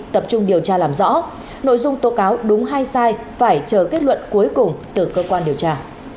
tập trung điều tra làm rõ nội dung tố cáo đúng hai sai phải chờ kết luận cuối cùng từ cơ quan điều tra